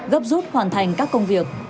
gấp rút hoàn thành các công việc